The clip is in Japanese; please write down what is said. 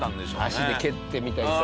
足で蹴ってみたりさ。